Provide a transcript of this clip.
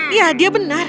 iya dia benar